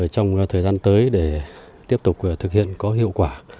trong thời gian tới để tiếp tục thực hiện có hiệu quả